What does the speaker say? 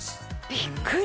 びっくり。